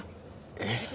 えっ。